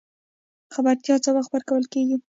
خبرتیا څه وخت ورکول کیږي؟